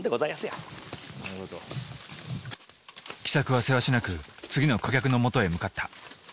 喜作はせわしなく次の顧客のもとへ向かった。